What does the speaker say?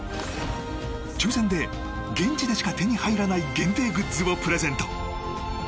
抽選で、現地でしか手に入らない限定グッズをプレゼント。